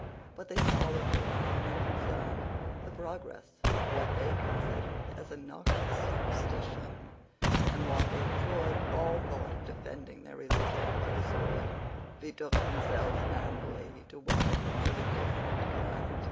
But they saw with alarm and concern the progress of what they considered as a noxious superstition, and, while they abjured all thought of defending their religion by the sword, betook themselves manfully to weapons of a different kind.